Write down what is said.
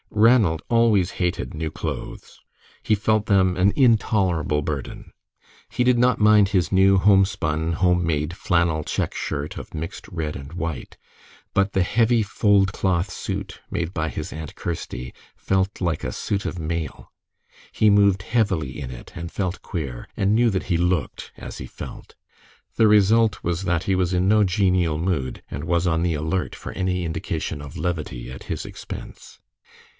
Ranald always hated new clothes. He felt them an intolerable burden. He did not mind his new homespun, home made flannel check shirt of mixed red and white, but the heavy fulled cloth suit made by his Aunt Kirsty felt like a suit of mail. He moved heavily in it and felt queer, and knew that he looked as he felt. The result was that he was in no genial mood, and was on the alert for any indication of levity at his expense.